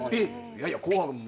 いやいや『紅白』も。